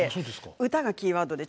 歌がキーワードです。